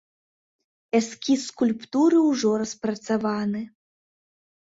Эскіз скульптуры ўжо распрацаваны.